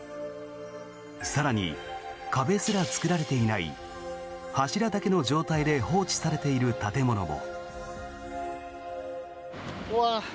更に、壁すら作られていない柱だけの状態で放置されている建物も。